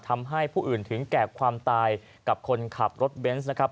ทำให้ผู้อื่นถึงแก่ความตายกับคนขับรถเบนส์นะครับ